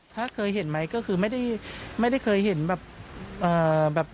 ถ้าเคยเห็นไหมก็คือไม่ได้เคยเห็นแบบ